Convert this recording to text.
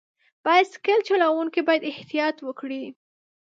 بایسکل چلوونکي باید احتیاط وکړي.